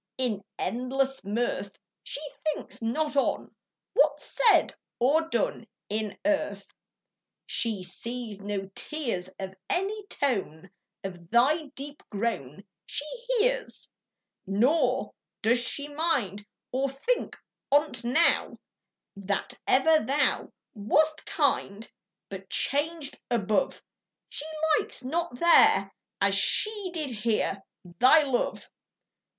In endless mirth, She thinks not on What's said or done In earth: She sees no tears, Or any tone Of thy deep groan She hears; Nor does she mind, Or think on't now, That ever thou Wast kind: But changed above, She likes not there, As she did here, Thy love.